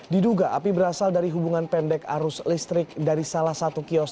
diduga api berasal dari hubungan pendek arus listrik dari salah satu kios